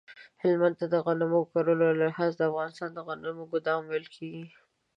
هلمند ته د غنم کرلو له لحاظه د افغانستان د غنمو ګدام ویل کیږی